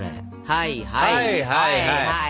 はいはいはいはい。